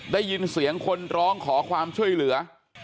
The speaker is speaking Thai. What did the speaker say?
ได้ยินเสียงคนร้องขอความช่วยเหลือ